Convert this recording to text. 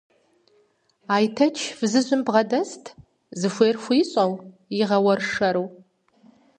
Айтэч фызыжьым бгъэдэст, зыхуей хуищӀэу, игъэуэршэру.